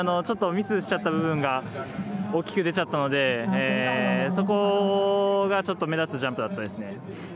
ちょっとミスしちゃった部分が大きく出ちゃったのでそこがちょっと目立つジャンプでした。